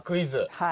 はい。